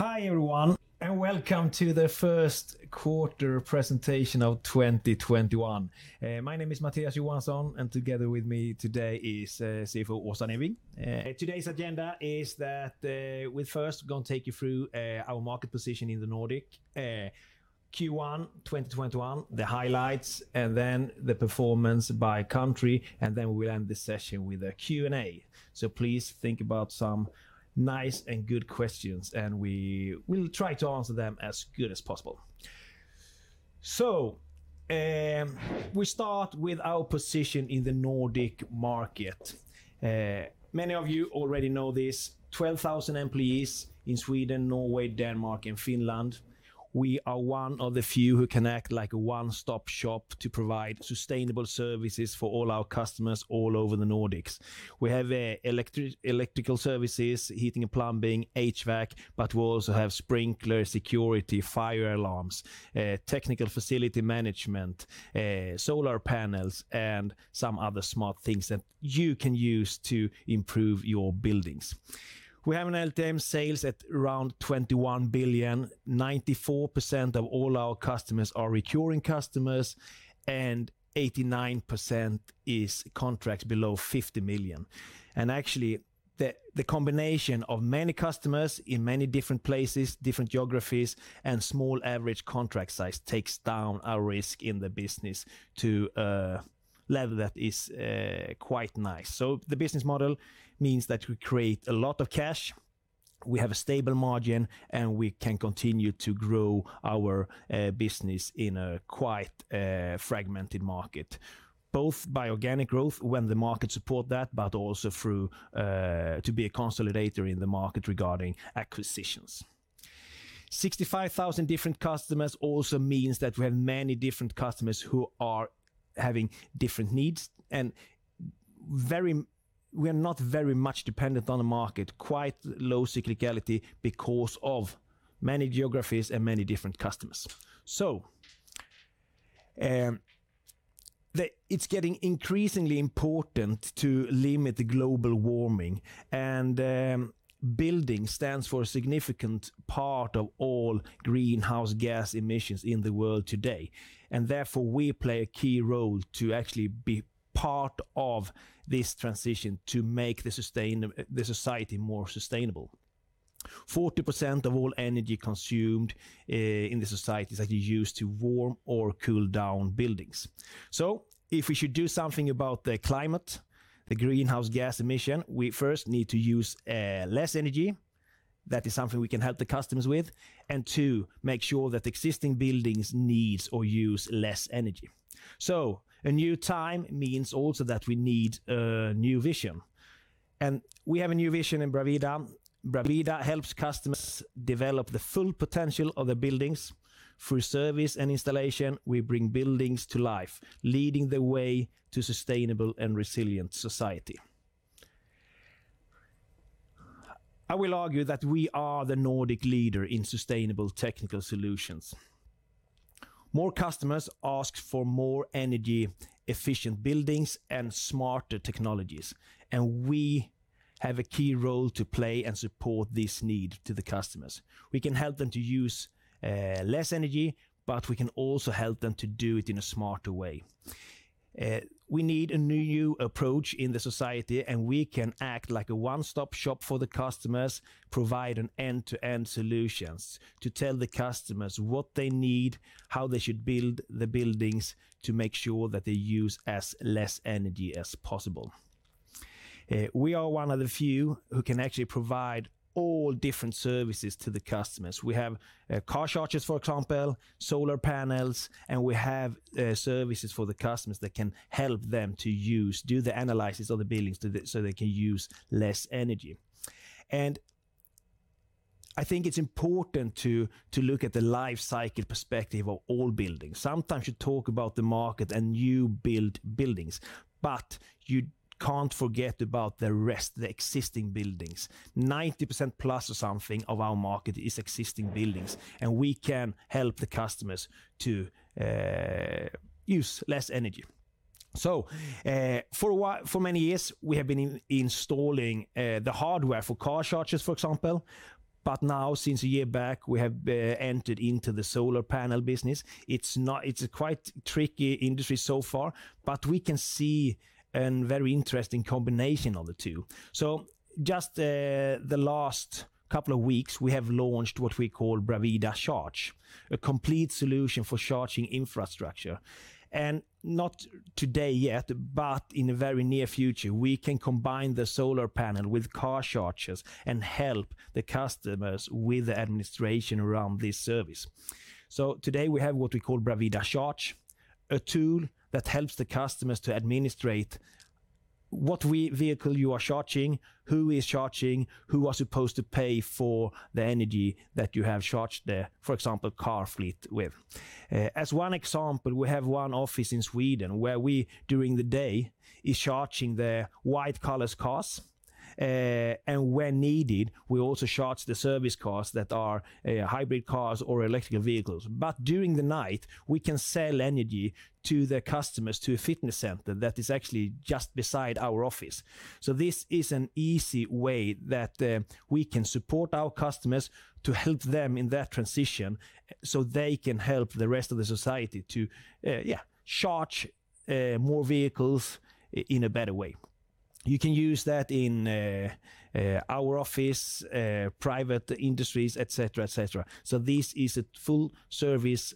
Hi, everyone, welcome to the first quarter presentation of 2021. My name is Mattias Johansson, and together with me today is CFO Åsa Neving. Today's agenda is that we're first going to take you through our market position in the Nordic, Q1 2021, the highlights, and then the performance by country, and then we will end the session with a Q&A. Please think about some nice and good questions, and we will try to answer them as good as possible. We start with our position in the Nordic market. Many of you already know this, 12,000 employees in Sweden, Norway, Denmark, and Finland. We are one of the few who can act like a one-stop shop to provide sustainable services for all our customers all over the Nordics. We have electrical services, heating and plumbing, HVAC, but we also have sprinklers, security, fire alarms, technical facility management, solar panels, and some other smart things that you can use to improve your buildings. We have an LTM sales at around 21 billion. 94% of all our customers are recurring customers, and 89% is contracts below 50 million. Actually, the combination of many customers in many different places, different geographies, and small average contract size takes down our risk in the business to a level that is quite nice. The business model means that we create a lot of cash, we have a stable margin, and we can continue to grow our business in a quite fragmented market, both by organic growth when the market support that, but also to be a consolidator in the market regarding acquisitions. 65,000 different customers also means that we have many different customers who are having different needs. We are not very much dependent on the market, quite low cyclicality because of many geographies and many different customers. It's getting increasingly important to limit the global warming, and building stands for a significant part of all greenhouse gas emissions in the world today. Therefore, we play a key role to actually be part of this transition to make the society more sustainable. 40% of all energy consumed in the society is actually used to warm or cool down buildings. If we should do something about the climate, the greenhouse gas emission, we first need to use less energy. That is something we can help the customers with. Two, make sure that existing buildings needs or use less energy. A new time means also that we need a new vision. We have a new vision in Bravida. Bravida helps customers develop the full potential of their buildings. Through service and installation, we bring buildings to life, leading the way to sustainable and resilient society. I will argue that we are the Nordic leader in sustainable technical solutions. More customers ask for more energy-efficient buildings and smarter technologies, we have a key role to play and support this need to the customers. We can help them to use less energy, we can also help them to do it in a smarter way. We need a new approach in the society. We can act like a one-stop shop for the customers, provide an end-to-end solutions to tell the customers what they need, how they should build the buildings to make sure that they use as less energy as possible. We are one of the few who can actually provide all different services to the customers. We have car chargers, for example, solar panels. We have services for the customers that can help them to do the analysis of the buildings so they can use less energy. I think it's important to look at the life cycle perspective of all buildings. Sometimes you talk about the market and new build buildings, you can't forget about the rest of the existing buildings. 90%+ or something of our market is existing buildings. We can help the customers to use less energy. For many years, we have been installing the hardware for car chargers, for example. Now, since a year back, we have entered into the solar panel business. It's a quite tricky industry so far, but we can see a very interesting combination of the two. Just the last couple of weeks, we have launched what we call Bravida Charge, a complete solution for charging infrastructure. Not today yet, but in the very near future, we can combine the solar panel with car chargers and help the customers with the administration around this service. Today we have what we call Bravida Charge, a tool that helps the customers to administrate what vehicle you are charging, who is charging, who are supposed to pay for the energy that you have charged there, for example, car fleet with. As one example, we have one office in Sweden where we, during the day, is charging their white collars' cars. When needed, we also charge the service cars that are hybrid cars or electrical vehicles. During the night, we can sell energy to the customers to a fitness center that is actually just beside our office. This is an easy way that we can support our customers to help them in their transition so they can help the rest of the society to charge more vehicles in a better way. You can use that in our office, private industries, et cetera. This is a full-service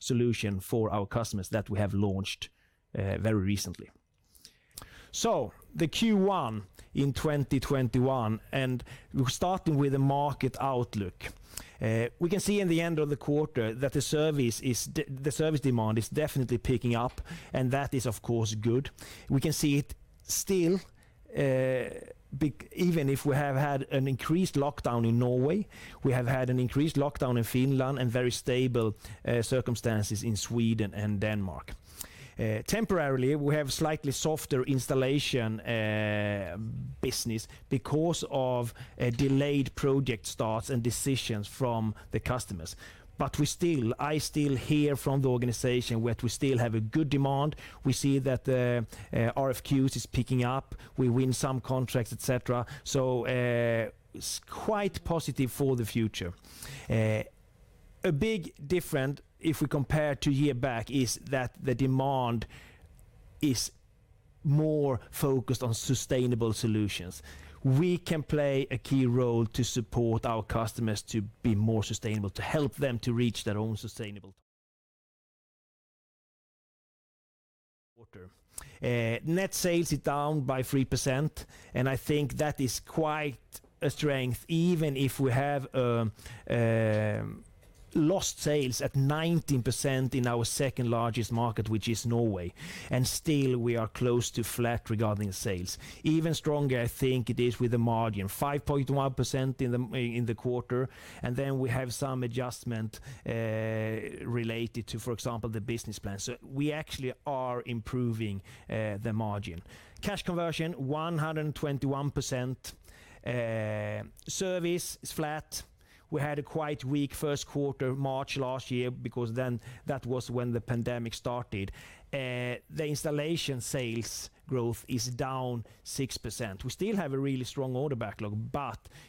solution for our customers that we have launched very recently. The Q1 in 2021, and we're starting with a market outlook. We can see in the end of the quarter that the service demand is definitely picking up, and that is, of course, good. We can see it still, even if we have had an increased lockdown in Norway, we have had an increased lockdown in Finland, and very stable circumstances in Sweden and Denmark. Temporarily, we have slightly softer installation business because of delayed project starts and decisions from the customers. I still hear from the organization that we still have a good demand. We see that RFQs is picking up. We win some contracts, et cetera. It's quite positive for the future. A big difference, if we compare to year back, is that the demand is more focused on sustainable solutions. We can play a key role to support our customers to be more sustainable, to help them to reach their own sustainable quota. Net sales is down by 3%. I think that is quite a strength, even if we have lost sales at 19% in our second largest market, which is Norway. Still we are close to flat regarding sales. Even stronger, I think it is with the margin, 5.1% in the quarter. Then we have some adjustment related to, for example, the business plan. We actually are improving the margin. Cash conversion, 121%. Service is flat. We had a quite weak first quarter March last year because then that was when the pandemic started. The installation sales growth is down 6%. We still have a really strong order backlog.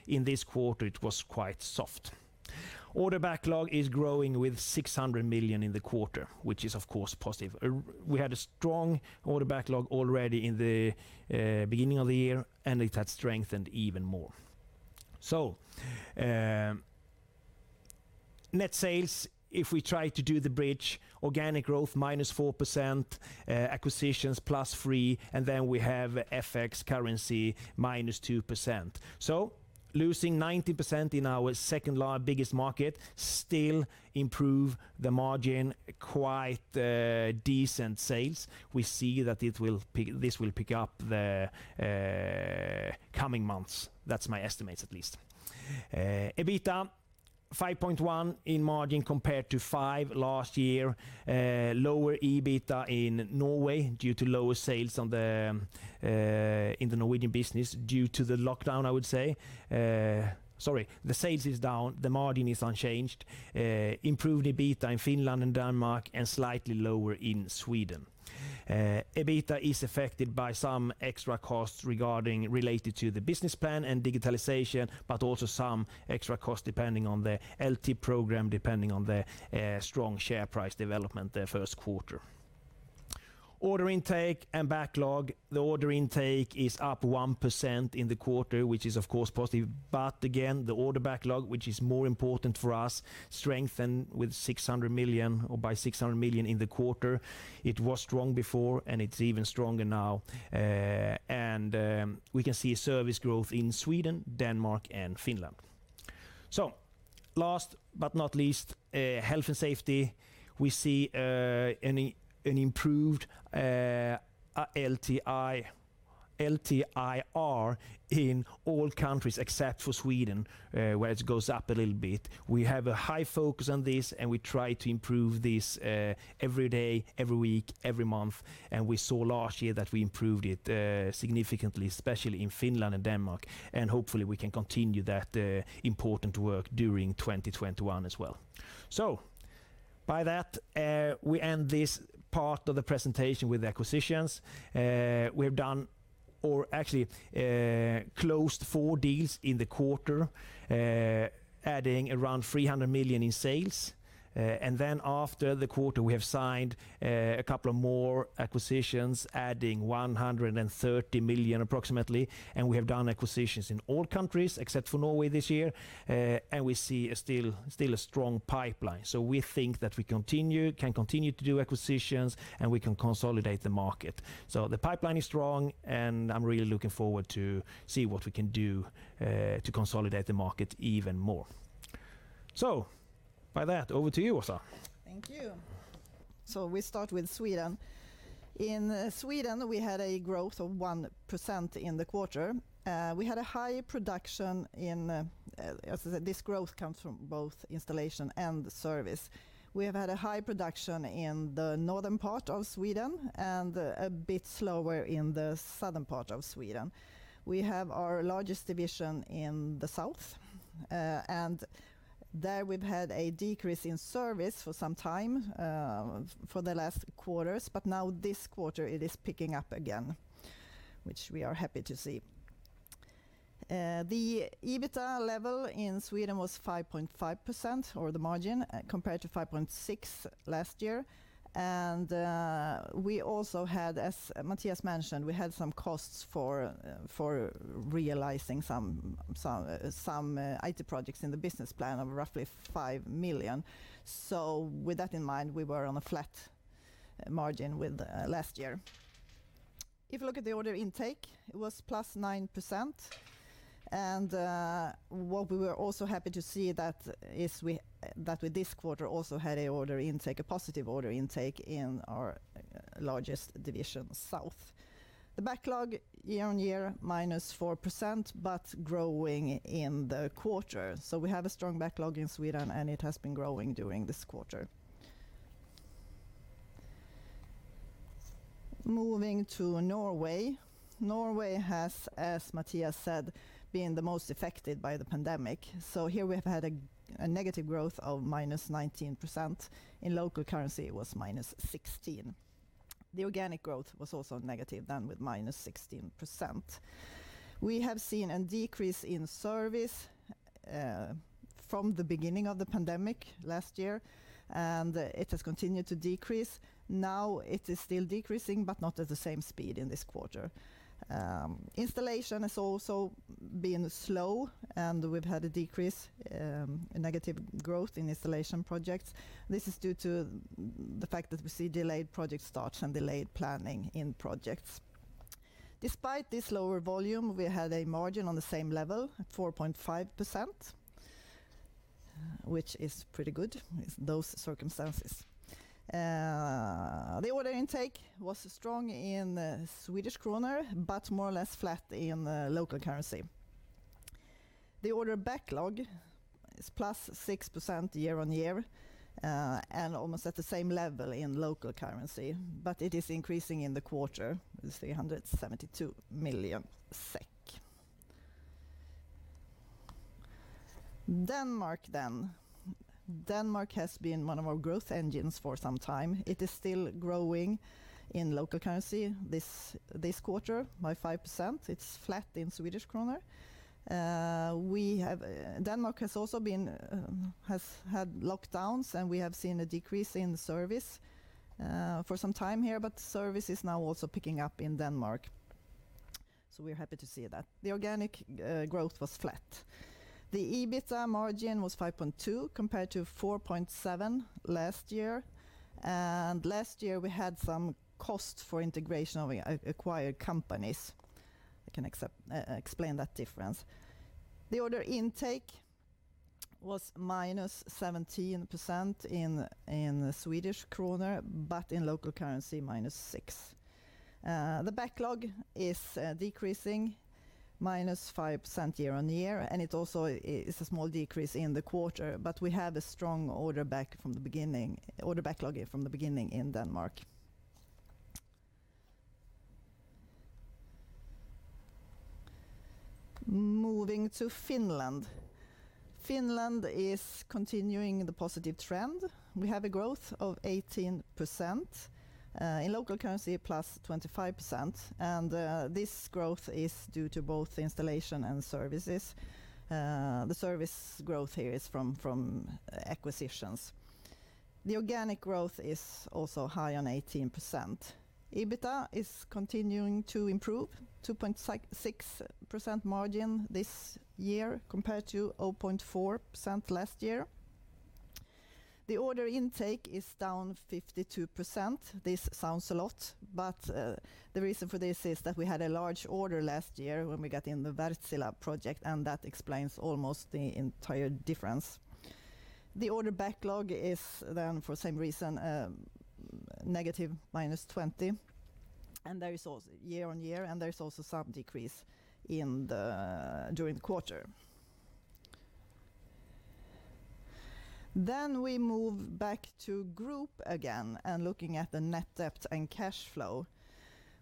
In this quarter it was quite soft. Order backlog is growing with 600 million in the quarter, which is of course positive. We had a strong order backlog already in the beginning of the year. It had strengthened even more. Net sales, if we try to do the bridge, organic growth -4%, acquisitions +3%. We have FX currency -2%. Losing 19% in our second biggest market still improve the margin. Quite decent sales. We see that this will pick up the coming months. That's my estimates at least. EBITDA, 5.1% in margin compared to 5% last year. Lower EBITDA in Norway due to lower sales in the Norwegian business due to the lockdown, I would say. Sorry. The sales is down, the margin is unchanged. Improved EBITDA in Finland and Denmark, and slightly lower in Sweden. EBITDA is affected by some extra costs related to the business plan and digitalization, but also some extra costs depending on the LT program, depending on the strong share price development the first quarter. Order intake and backlog. The order intake is up 1% in the quarter, which is of course positive. Again, the order backlog, which is more important for us, strengthened with 600 million, or by 600 million in the quarter. It was strong before, and it's even stronger now. We can see service growth in Sweden, Denmark, and Finland. Last but not least, health and safety. We see an improved LTIFR in all countries except for Sweden, where it goes up a little bit. We have a high focus on this, and we try to improve this, every day, every week, every month, and we saw last year that we improved it, significantly, especially in Finland and Denmark. Hopefully we can continue that important work during 2021 as well. By that, we end this part of the presentation with acquisitions. We have done, or actually, closed four deals in the quarter, adding around 300 million in sales. After the quarter, we have signed a couple of more acquisitions, adding 130 million approximately. We have done acquisitions in all countries except for Norway this year. We see still a strong pipeline. We think that we can continue to do acquisitions, and we can consolidate the market. The pipeline is strong, and I'm really looking forward to see what we can do to consolidate the market even more. By that, over to you, Åsa. Thank you. We start with Sweden. In Sweden, we had a growth of 1% in the quarter. We had a high production, as I said, this growth comes from both installation and service. We have had a high production in the northern part of Sweden and a bit slower in the southern part of Sweden. We have our largest division in the south, and there we've had a decrease in service for some time, for the last quarters. Now this quarter it is picking up again, which we are happy to see. The EBITDA level in Sweden was 5.5%, or the margin, compared to 5.6% last year. We also had, as Mattias mentioned, some costs for realizing some IT projects in the business plan of roughly 5 million. With that in mind, we were on a flat margin with last year. If you look at the order intake, it was +9%. What we were also happy to see is that with this quarter also had a positive order intake in our largest division, South. The backlog year-over-year, -4%, but growing in the quarter. We have a strong backlog in Sweden, and it has been growing during this quarter. Moving to Norway. Norway has, as Mattias said, been the most affected by the pandemic. Here we've had a negative growth of -19%. In local currency, it was -16%. The organic growth was also negative, down with -16%. We have seen a decrease in service from the beginning of the pandemic last year, and it has continued to decrease. Now it is still decreasing, but not at the same speed in this quarter. Installation has also been slow, we've had a decrease, a negative growth in installation projects. This is due to the fact that we see delayed project starts and delayed planning in projects. Despite this lower volume, we had a margin on the same level at 4.5%, which is pretty good with those circumstances. The order intake was strong in Swedish krona, but more or less flat in the local currency. The order backlog is +6% year-on-year, and almost at the same level in local currency, but it is increasing in the quarter with 372 million SEK. Denmark. Denmark has been one of our growth engines for some time. It is still growing in local currency this quarter by 5%. It's flat in Swedish krona. Denmark has also had lockdowns, and we have seen a decrease in service for some time here, but the service is now also picking up in Denmark, so we're happy to see that. The organic growth was flat. The EBITDA margin was 5.2 compared to 4.7 last year, and last year we had some cost for integration of acquired companies. I can explain that difference. The order intake was -17% in Swedish krona, but in local currency, -6. The backlog is decreasing -5% year-on-year, and it also is a small decrease in the quarter, but we have a strong order backlog from the beginning in Denmark. Moving to Finland. Finland is continuing the positive trend. We have a growth of 18%, in local currency +25%, and this growth is due to both installation and services. The service growth here is from acquisitions. The organic growth is also high on 18%. EBITDA is continuing to improve, 2.6% margin this year compared to 0.4% last year. The order intake is down 52%. This sounds a lot, but the reason for this is that we had a large order last year when we got in the Wärtsilä project, and that explains almost the entire difference. The order backlog is then, for the same reason, negative minus 20% year-on-year, and there's also some decrease during the quarter. We move back to group again and looking at the net debt and cash flow.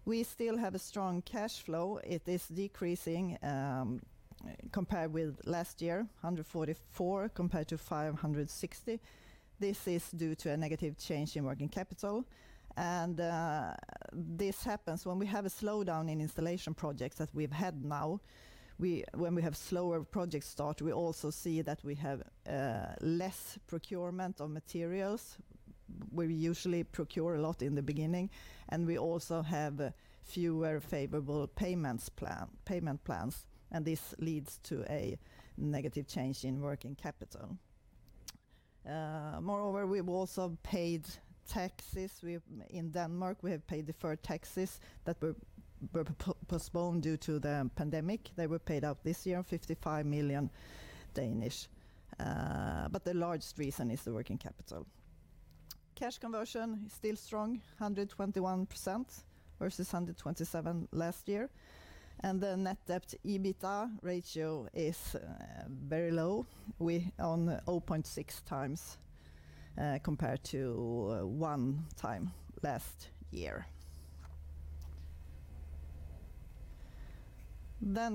We still have a strong cash flow. It is decreasing, compared with last year, 144 compared to 560. This is due to a negative change in working capital, and this happens when we have a slowdown in installation projects as we've had now. When we have slower project start, we also see that we have less procurement of materials, where we usually procure a lot in the beginning, and we also have fewer favorable payment plans, and this leads to a negative change in working capital. Moreover, we've also paid taxes in Denmark. We have paid deferred taxes that were postponed due to the pandemic. They were paid out this year, 55 million, but the largest reason is the working capital. Cash conversion is still strong, 121% versus 127% last year, and the net debt to EBITDA ratio is very low. We're on 0.6x, compared to one time last year.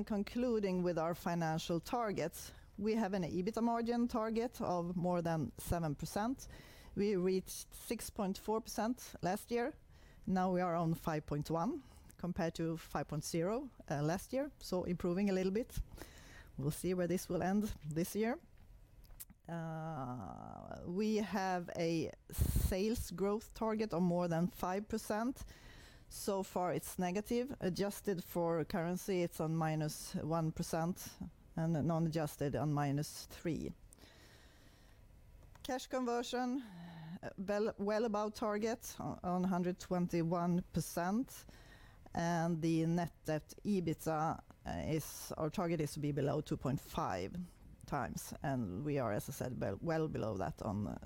Concluding with our financial targets, we have an EBITDA margin target of more than 7%. We reached 6.4% last year. Now we are on 5.1% compared to 5.0% last year, so improving a little bit. We'll see where this will end this year. We have a sales growth target of more than 5%. So far it's negative. Adjusted for currency, it's on -1%, and non-adjusted on -3%. Cash conversion, well above target on 121%. The net debt EBITDA, our target is to be below 2.5x, and we are, as I said, well below that on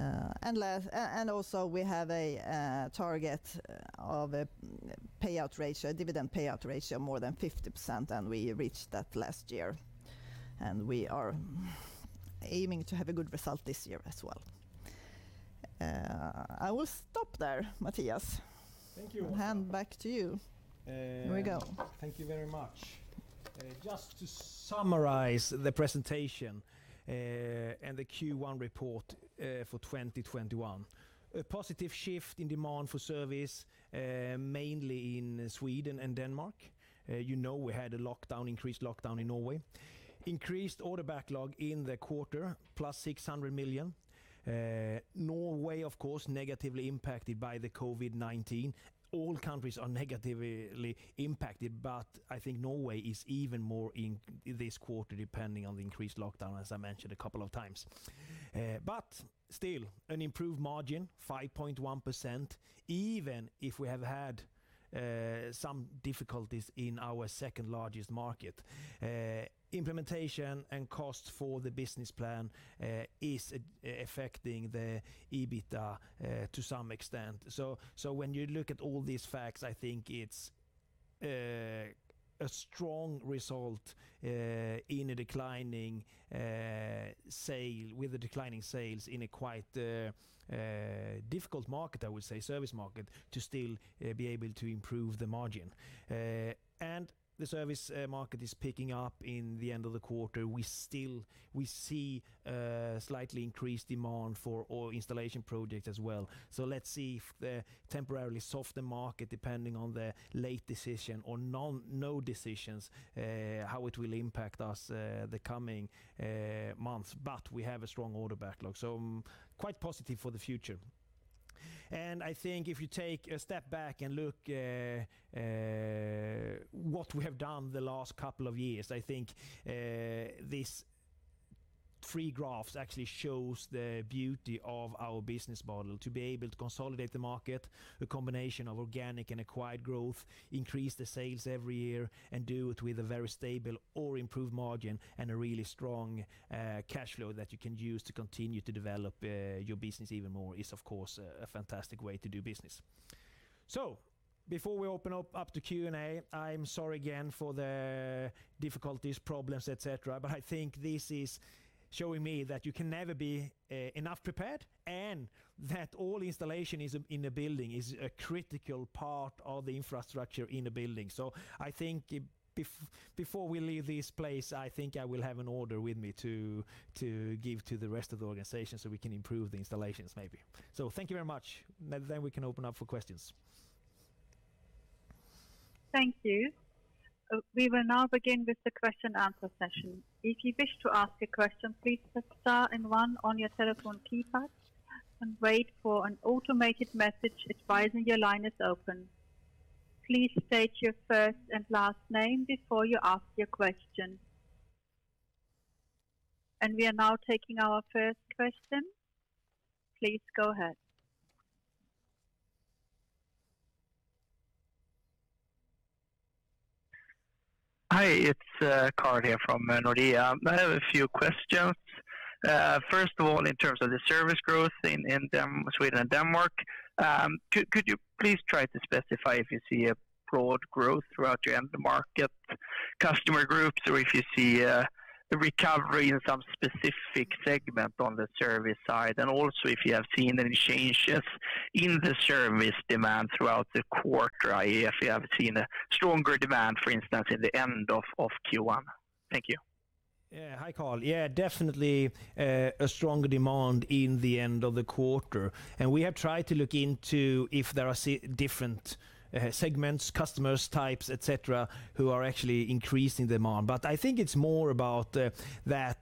0.6. Also we have a target of a dividend payout ratio more than 50%, and we reached that last year, and we are aiming to have a good result this year as well. I will stop there, Mattias. Thank you. Hand back to you. Here we go. Thank you very much. Just to summarize the presentation, and the Q1 report, for 2021. A positive shift in demand for service, mainly in Sweden and Denmark. You know we had increased lockdown in Norway. Increased order backlog in the quarter, +600 million. Norway, of course, negatively impacted by the COVID-19. All countries are negatively impacted. I think Norway is even more in this quarter, depending on the increased lockdown, as I mentioned a couple of times. Still an improved margin, 5.1%, even if we have had some difficulties in our second largest market. Implementation and cost for the business plan is affecting the EBITDA to some extent. When you look at all these facts, I think it's a strong result with the declining sales in a quite difficult market, I would say, service market, to still be able to improve the margin. The service market is picking up in the end of the quarter. We see slightly increased demand for all installation projects as well. Let's see if the temporarily softer market, depending on the late decision or no decisions, how it will impact us the coming months. We have a strong order backlog, so quite positive for the future. I think if you take a step back and look what we have done the last couple of years, I think these three graphs actually shows the beauty of our business model. To be able to consolidate the market, a combination of organic and acquired growth, increase the sales every year, and do it with a very stable or improved margin and a really strong cash flow that you can use to continue to develop your business even more is, of course, a fantastic way to do business. Before we open up to Q&A, I am sorry again for the difficulties, problems, et cetera. I think this is showing me that you can never be enough prepared, and that all installation in a building is a critical part of the infrastructure in a building. I think before we leave this place, I think I will have an order with me to give to the rest of the organization so we can improve the installations, maybe. Thank you very much. We can open up for questions. Thank you. We will now begin with the question and answer session. If you wish to ask a question, please press star and one on your telephone keypad and wait for an automated message advising your line is open. Please state your first and last name before you ask your question. We are now taking our first question. Please go ahead. Hi, it's Carl here from Nordea. I have a few questions. First of all, in terms of the service growth in Sweden and Denmark, could you please try to specify if you see a broad growth throughout your end market customer groups or if you see a recovery in some specific segment on the service side? Also if you have seen any changes in the service demand throughout the quarter, i.e., if you have seen a stronger demand, for instance, at the end of Q1. Thank you. Hi, Carl. Definitely a stronger demand in the end of the quarter. We have tried to look into if there are different segments, customer types, et cetera, who are actually increasing demand. I think it's more about that,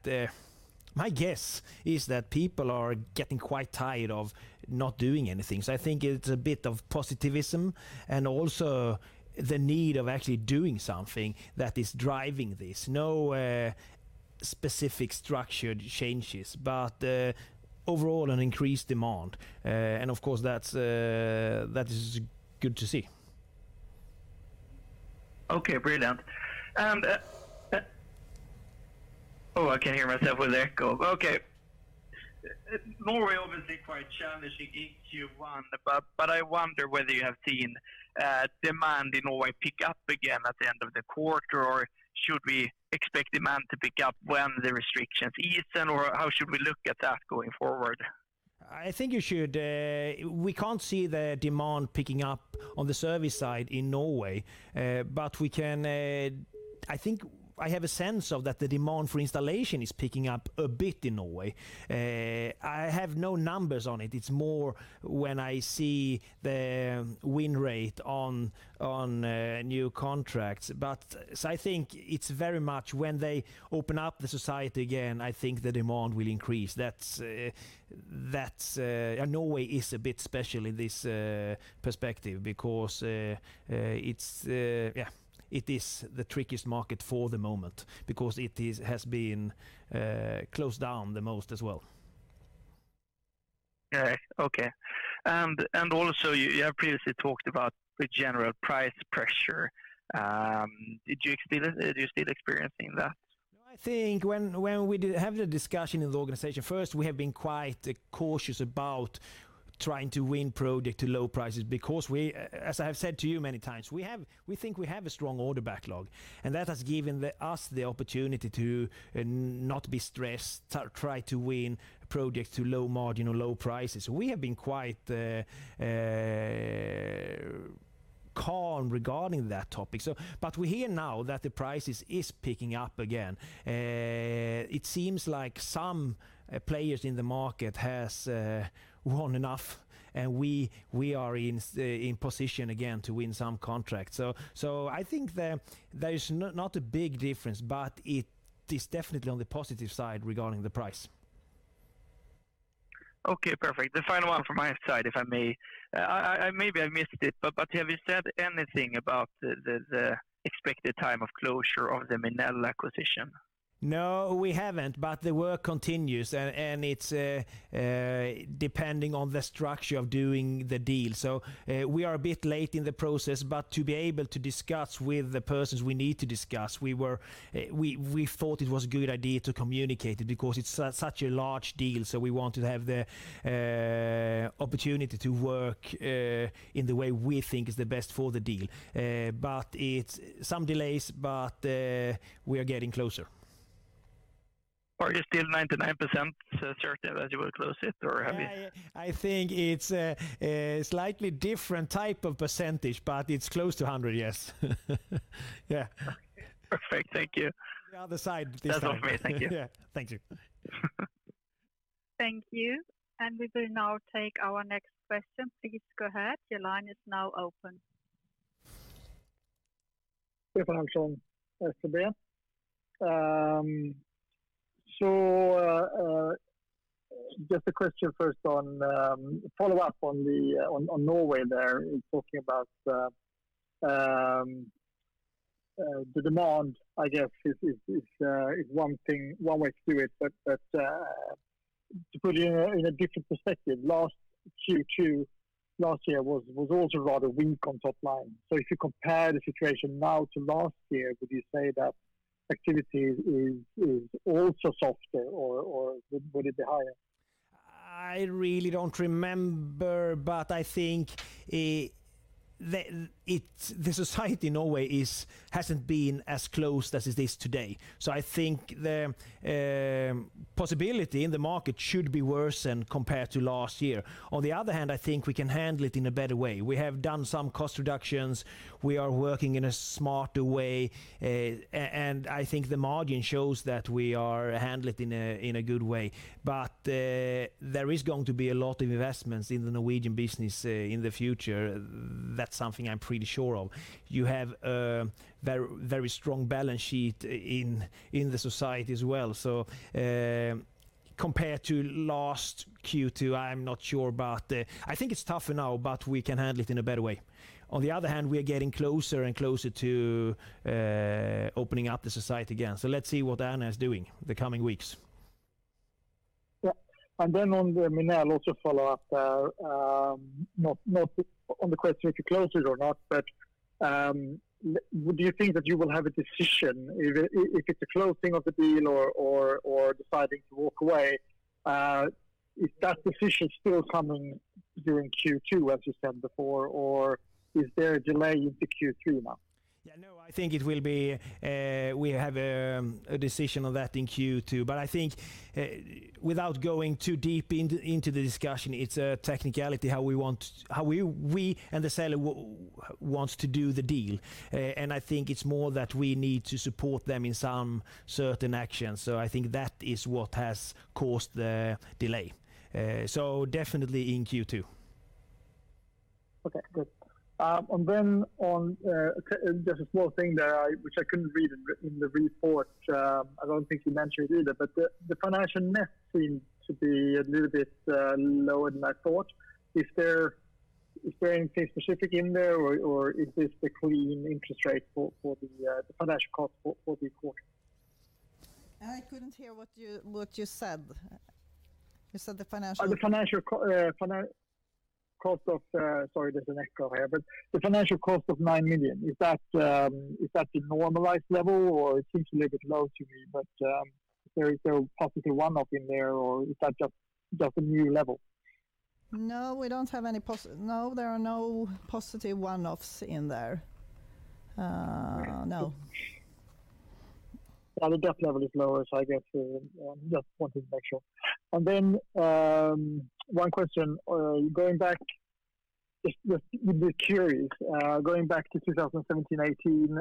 my guess is that people are getting quite tired of not doing anything. I think it's a bit of positivism and also the need of actually doing something that is driving this. No specific structured changes, but overall an increased demand. Of course, that is good to see. Okay, brilliant. Oh, I can hear myself with echo. Okay. Norway obviously quite challenging in Q1, but I wonder whether you have seen demand in Norway pick up again at the end of the quarter, or should we expect demand to pick up when the restrictions ease, then, or how should we look at that going forward? I think We can't see the demand picking up on the service side in Norway. I think I have a sense of that the demand for installation is picking up a bit in Norway. I have no numbers on it. It's more when I see the win rate on new contracts. I think it's very much when they open up the society again, I think the demand will increase. Norway is a bit special in this perspective because it is the trickiest market for the moment because it has been closed down the most as well. Okay. You have previously talked about the general price pressure. Are you still experiencing that? I think when we have the discussion in the organization, first, we have been quite cautious about trying to win project to low prices because, as I have said to you many times, we think we have a strong order backlog, and that has given us the opportunity to not be stressed, try to win projects to low margin or low prices. We have been quite calm regarding that topic. We hear now that the prices is picking up again. It seems like some players in the market has won enough and we are in position again to win some contracts. I think there is not a big difference, but it is definitely on the positive side regarding the price. Okay, perfect. The final one from my side, if I may. Maybe I missed it, but have you said anything about the expected time of closure of the Minel acquisition? No, we haven't, but the work continues, and it's depending on the structure of doing the deal. We are a bit late in the process, but to be able to discuss with the persons we need to discuss, we thought it was a good idea to communicate it because it's such a large deal. We want to have the opportunity to work in the way we think is the best for the deal. Some delays, but we are getting closer. Are you still 99% certain that you will close it? I think it's a slightly different type of percentage, but it's close to 100%, yes. Perfect. Thank you. The other side this time. That's all from me. Thank you. Yeah. Thank you. Thank you. And we will now take our next question. Please go ahead. Your line is now open. Stefan from SEB. Just a question first on, follow-up on Norway there, in talking about the demand, I guess, is one way to do it. To put it in a different perspective, last Q2 last year was also rather weak on top line. If you compare the situation now to last year, would you say that activity is also softer, or would it be higher? I really don't remember, but I think the society in Norway hasn't been as closed as it is today. I think the possibility in the market should be worse than compared to last year. On the other hand, I think we can handle it in a better way. We have done some cost reductions. We are working in a smarter way. I think the margin shows that we are handle it in a good way. There is going to be a lot of investments in the Norwegian business in the future. That's something I'm pretty sure of. You have very strong balance sheet in the society as well. Compared to last Q2, I'm not sure, but I think it's tougher now, but we can handle it in a better way. On the other hand, we are getting closer and closer to opening up the society again. Let's see what Erna is doing the coming weeks. On the Minel, also follow up, not on the question if you close it or not, but do you think that you will have a decision, if it's a closing of the deal or deciding to walk away, is that decision still coming during Q2, as you said before, or is there a delay into Q3 now? Yeah, no, I think we have a decision on that in Q2. I think, without going too deep into the discussion, it's a technicality, how we and the seller wants to do the deal. I think it's more that we need to support them in some certain actions. I think that is what has caused the delay. Definitely in Q2. Okay, good. Then there's a small thing there, which I couldn't read in the report. I don't think you mentioned it either. The financial net seems to be a little bit lower than I thought. Is there anything specific in there, or is this the clean interest rate for the financial cost for the quarter? I couldn't hear what you said. You said the financial- The financial cost of 9 million, is that the normalized level, or it seems a little bit low to me, but is there a positive one-off in there, or is that just a new level? No, there are no positive one-offs in there. No. Yeah, the debt level is lower. I guess just wanted to make sure. One question, just curious, going back to 2017, 2018,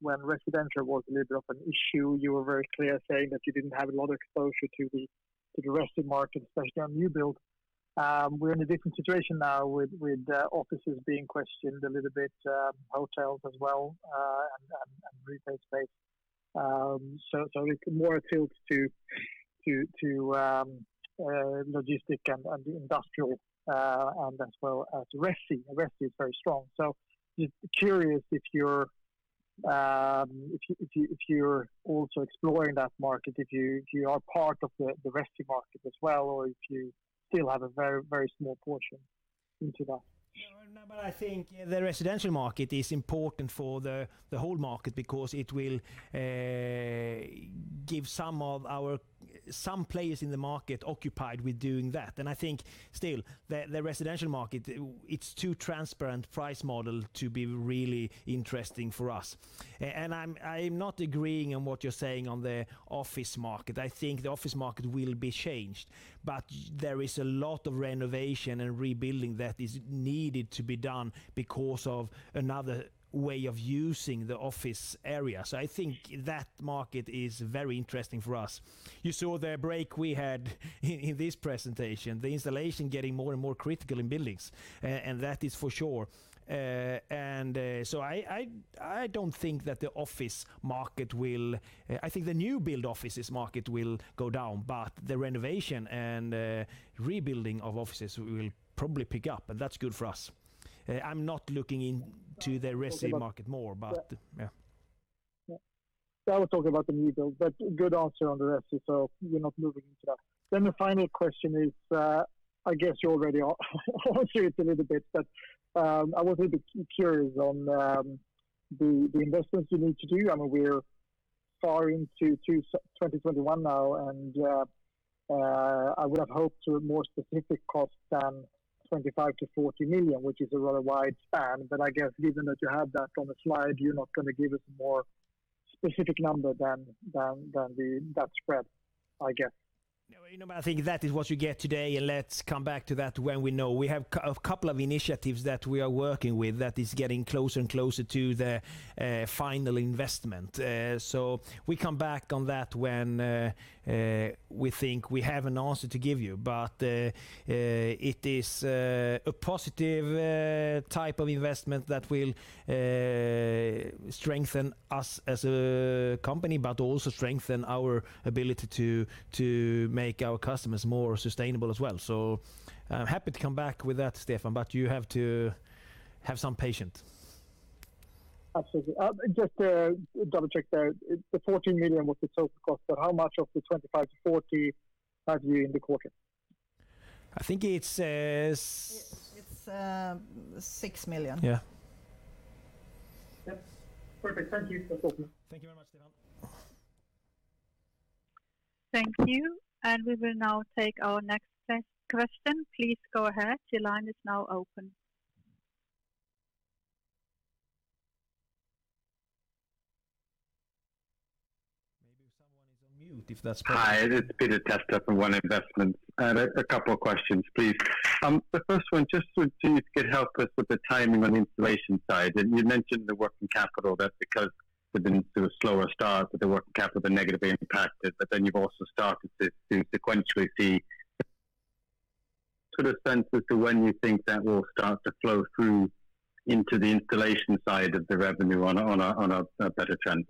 when residential was a little bit of an issue, you were very clear saying that you didn't have a lot of exposure to the rest of market, especially on new build. We're in a different situation now with offices being questioned a little bit, hotels as well, and retail space. It's more tilts to logistic and industrial, and as well as resi. Resi is very strong. Just curious if you're also exploring that market, if you are part of the resi market as well, or if you still have a very small portion into that. No. I think the residential market is important for the whole market because it will give some players in the market occupied with doing that. I think still, the residential market, it's too transparent price model to be really interesting for us. I'm not agreeing on what you're saying on the office market. I think the office market will be changed, but there is a lot of renovation and rebuilding that is needed to be done because of another way of using the office area. I think that market is very interesting for us. You saw the break we had in this presentation, the installation getting more and more critical in buildings, and that is for sure. I think the new-build offices market will go down, but the renovation and rebuilding of offices will probably pick up, and that's good for us. I'm not looking into the resi market more, but yeah. Yeah. I was talking about the new build, good answer on the resi, you're not moving into that. The final question is, I guess you already answered a little bit, I was a little bit curious on the investments you need to do. I mean, we're far into 2021 now, I would have hoped for more specific costs than 25 million-40 million, which is a rather wide span. I guess given that you have that on the slide, you're not going to give us more specific number than that spread, I guess. No, I think that is what you get today. Let's come back to that when we know. We have a couple of initiatives that we are working with that is getting closer and closer to the final investment. We come back on that when we think we have an answer to give you. It is a positive type of investment that will strengthen us as a company, but also strengthen our ability to make our customers more sustainable as well. I'm happy to come back with that, Stefan, but you have to have some patience. Absolutely. Just to double check there, the 14 million was the total cost, but how much of the 25-40 had you in the quarter? I think it says- It's 6 million. Yeah. That's perfect. Thank you. That's all for me. Thank you very much, Stefan. Thank you. We will now take our next question. Please go ahead. Your line is now open. Maybe someone is on mute, if that's possible. Hi, this is Peter Testa from One Investments. I had a couple of questions, please. The first one, just would you could help us with the timing on installation side? You mentioned the working capital, that's because within the slower start with the working capital, the negative impact it, you've also started to sequentially see sort of sense as to when you think that will start to flow through into the installation side of the revenue on a better trend.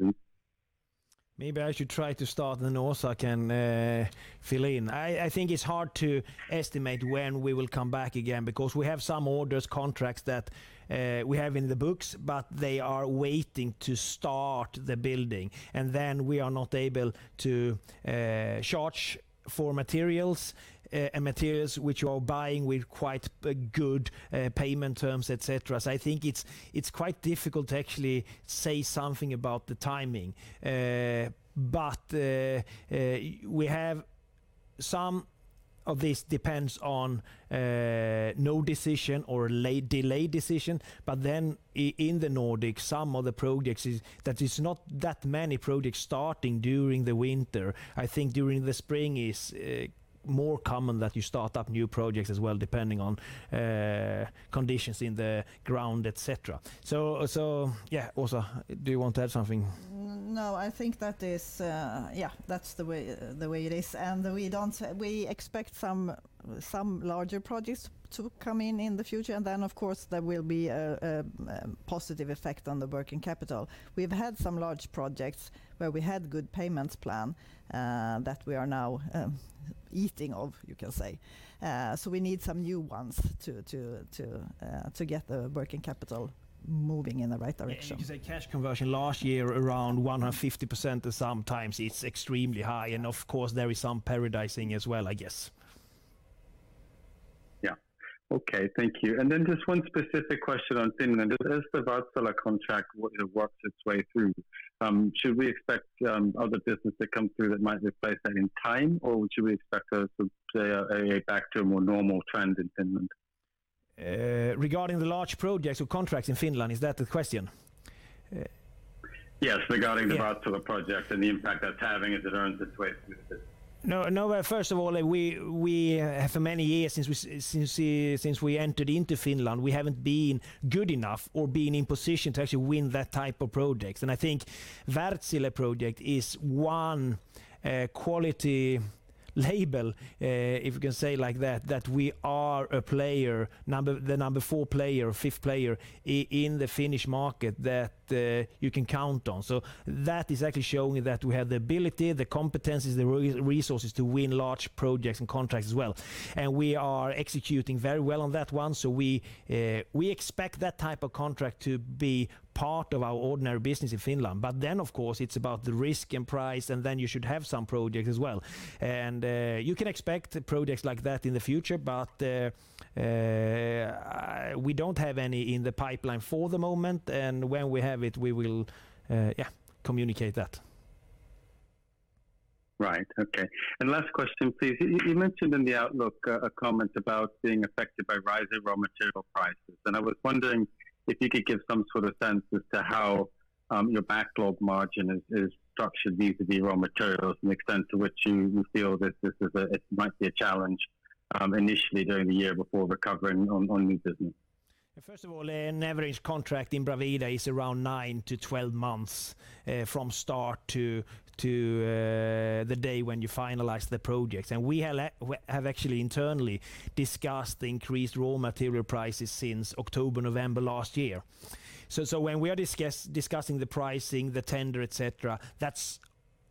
Maybe I should try to start. Åsa can fill in. I think it's hard to estimate when we will come back again because we have some orders, contracts that we have in the books, but they are waiting to start the building. Then we are not able to charge for materials, and materials which we are buying with quite good payment terms, et cetera. I think it's quite difficult to actually say something about the timing. Some of this depends on no decision or delayed decision. In the Nordic, some of the projects is that it's not that many projects starting during the winter. I think during the spring is more common that you start up new projects as well, depending on conditions in the ground, et cetera. Yeah, Åsa, do you want to add something? No, I think that is, yeah, that's the way it is. We expect some larger projects to come in in the future, and then of course, there will be a positive effect on the working capital. We've had some large projects where we had good payments plan, that we are now eating of, you can say. We need some new ones to get the working capital moving in the right direction. Yeah, you can say cash conversion last year around 150% sometimes it's extremely high, and of course, there is some phasing as well, I guess. Yeah. Okay, thank you. Then just one specific question on Finland. As the [Wärtsilä] contract works its way through, should we expect other business to come through that might replace that in time, or should we expect us to play back to a more normal trend in Finland? Regarding the large projects or contracts in Finland, is that the question? Yes, regarding the Wärtsilä project and the impact that's having as it earns its way through the system. First of all, we, for many years since we entered into Finland, we haven't been good enough or been in position to actually win that type of project. I think Wärtsilä project is one quality label, if you can say it like that we are the number four player or fifth player in the Finnish market that you can count on. That is actually showing that we have the ability, the competencies, the resources to win large projects and contracts as well, and we are executing very well on that one. We expect that type of contract to be part of our ordinary business in Finland. Of course, it's about the risk and price, and then you should have some project as well. You can expect projects like that in the future, but we don't have any in the pipeline for the moment. When we have it, we will communicate that. Right. Okay. Last question, please. You mentioned in the outlook a comment about being affected by rising raw material prices, and I was wondering if you could give some sort of sense as to how your backlog margin is structured vis-à-vis raw materials and the extent to which you feel that it might be a challenge initially during the year before recovering on new business. First of all, an average contract in Bravida is around nine to 12 months from start to the day when you finalize the project. We have actually internally discussed the increased raw material prices since October, November last year. When we are discussing the pricing, the tender, et cetera, that's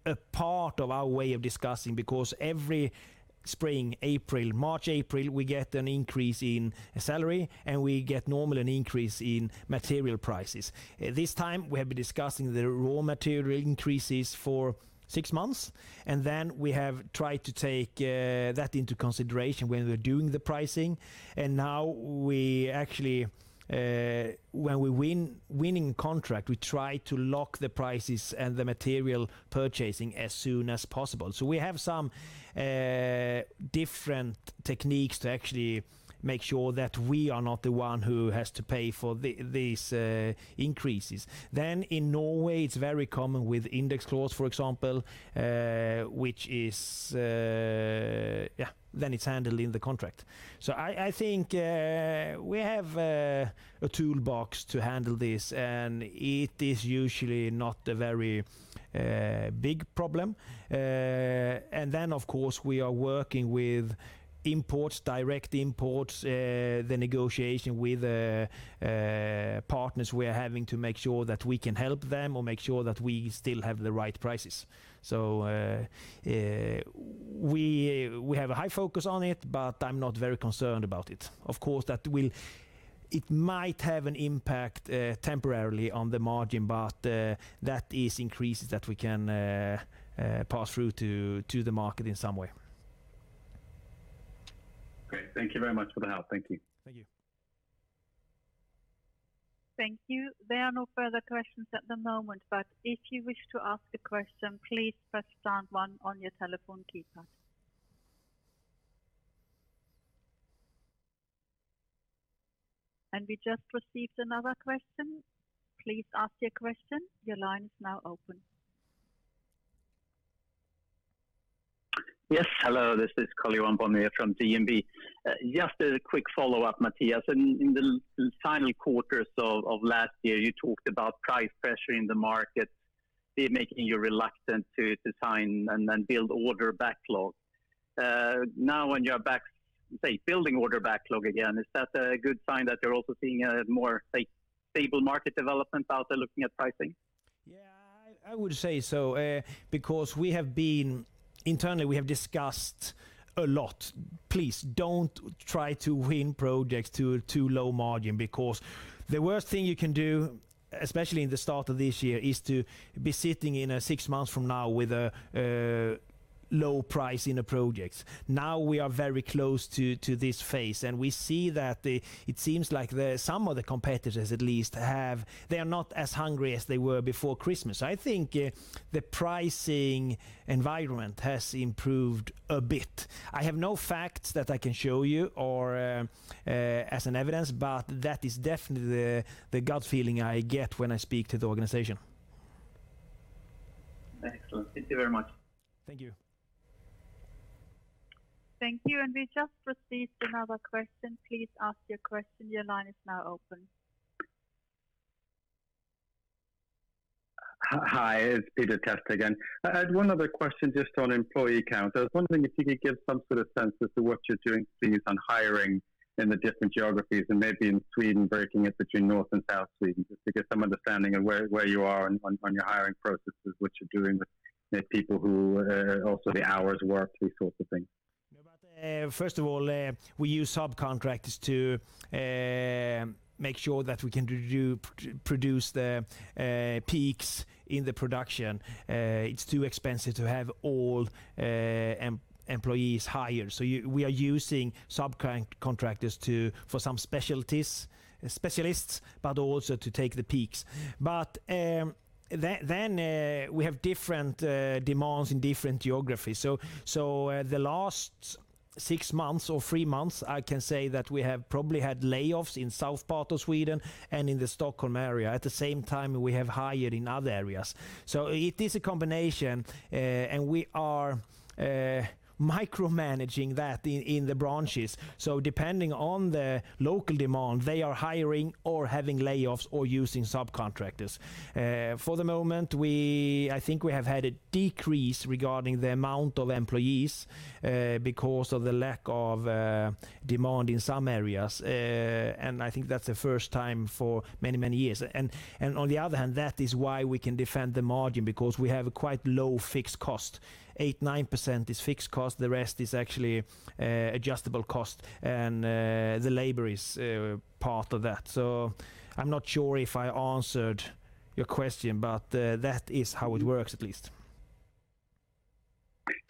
a part of our way of discussing, because every spring, March, April, we get an increase in salary and we get normally an increase in material prices. This time we have been discussing the raw material increases for six months, we have tried to take that into consideration when we're doing the pricing. Now when we win contract, we try to lock the prices and the material purchasing as soon as possible. We have some different techniques to actually make sure that we are not the one who has to pay for these increases. In Norway, it's very common with index clause, for example, which then it's handled in the contract. I think we have a toolbox to handle this, and it is usually not a very big problem. Of course, we are working with direct imports, the negotiation with partners. We are having to make sure that we can help them or make sure that we still have the right prices. We have a high focus on it, but I'm not very concerned about it. Of course, it might have an impact temporarily on the margin, but that is increases that we can pass through to the market in some way. Great. Thank you very much for the help. Thank you. Thank you. Thank you. There are no further questions at the moment. If you wish to ask a question, please press star one on your telephone keypad. We just received another question. Please ask your question. Your line is now open. Yes, hello, this is Karl-Johan from DNB. Just a quick follow-up, Mattias. In the final quarters of last year, you talked about price pressure in the market, making you reluctant to design and then build order backlog. Now when you are back, say, building order backlog again, is that a good sign that you're also seeing a more, say, stable market development out there looking at pricing? Yeah, I would say so. Internally, we have discussed a lot. Please don't try to win projects to too low margin. The worst thing you can do, especially in the start of this year, is to be sitting in six months from now with a low price in a project. We are very close to this phase. We see that it seems like some of the competitors, at least, they are not as hungry as they were before Christmas. I think the pricing environment has improved a bit. I have no facts that I can show you or as an evidence. That is definitely the gut feeling I get when I speak to the organization. Excellent. Thank you very much. Thank you. Thank you. We just received another question. Please ask your question. Your line is now open. Hi, it's Peter Testa again. I had one other question just on employee count. I was wondering if you could give some sort of sense as to what you're doing, say, on hiring in the different geographies and maybe in Sweden, breaking it between North and South Sweden, just to get some understanding of where you are on your hiring processes, what you're doing with people who also the hours worked, these sorts of things. We use subcontractors to make sure that we can produce the peaks in the production. It is too expensive to have all employees hired. We are using subcontractors for some specialists, but also to take the peaks. We have different demands in different geographies. The last six months or three months, I can say that we have probably had layoffs in south part of Sweden and in the Stockholm area. At the same time, we have hired in other areas. It is a combination, and we are micromanaging that in the branches. Depending on the local demand, they are hiring or having layoffs or using subcontractors. For the moment, I think we have had a decrease regarding the amount of employees because of the lack of demand in some areas. I think that is the first time for many, many years. On the other hand, that is why we can defend the margin because we have a quite low fixed cost. 8%-9% is fixed cost, the rest is actually adjustable cost, and the labor is part of that. I'm not sure if I answered your question, but that is how it works at least.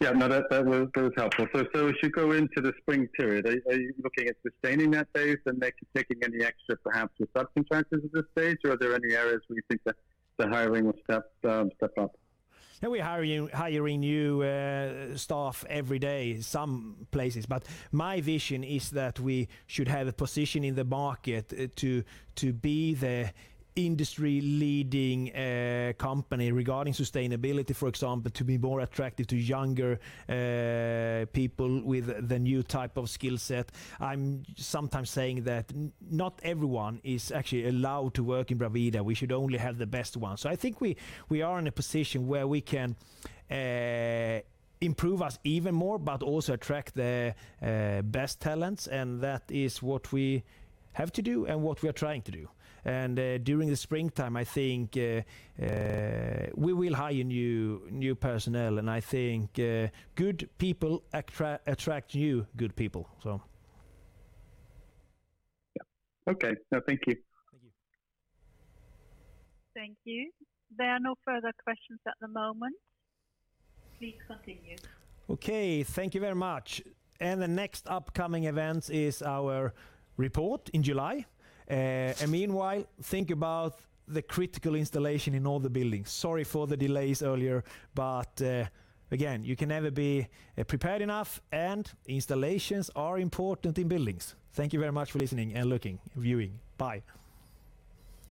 Yeah. No, that was helpful. As you go into the spring period, are you looking at sustaining that base and taking any extra perhaps with subcontractors at this stage? Are there any areas where you think that the hiring will step up? Yeah, we're hiring new staff every day in some places. My vision is that we should have a position in the market to be the industry-leading company regarding sustainability, for example, to be more attractive to younger people with the new type of skill set. I'm sometimes saying that not everyone is actually allowed to work in Bravida. We should only have the best ones. I think we are in a position where we can improve us even more, but also attract the best talents, and that is what we have to do and what we are trying to do. During the springtime, I think we will hire new personnel, and I think good people attract new good people. Yeah. Okay. No, thank you. Thank you. Thank you. There are no further questions at the moment. Please continue. Okay. Thank you very much. The next upcoming event is our report in July. Meanwhile, think about the critical installation in all the buildings. Sorry for the delays earlier, but, again, you can never be prepared enough, and installations are important in buildings. Thank you very much for listening and looking, viewing. Bye.